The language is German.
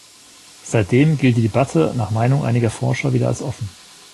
Seitdem gilt die Debatte nach Meinung einiger Forscher wieder als offen.